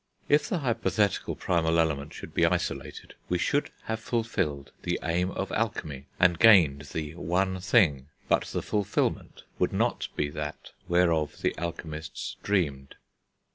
If the hypothetical primal element should be isolated, we should have fulfilled the aim of alchemy, and gained the One Thing; but the fulfilment would not be that whereof the alchemists dreamed.